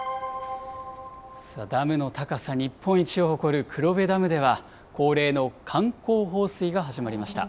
ダムの高さ日本一を誇る黒部ダムでは、恒例の観光放水が始まりました。